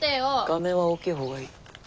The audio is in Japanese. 画面は大きい方がいい。